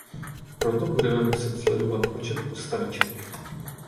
Proto budeme muset sledovat počet postaviček.